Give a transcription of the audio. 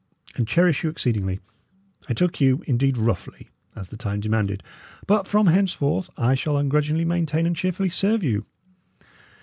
and cherish you exceedingly. I took you, indeed, roughly, as the time demanded; but from henceforth I shall ungrudgingly maintain and cheerfully serve you.